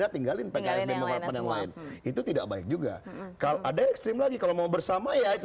tinggalin pengen yang lain itu tidak baik juga kalau ada extreme lagi kalau mau bersama ya itu